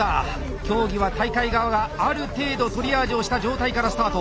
競技は大会側がある程度トリアージをした状態からスタート。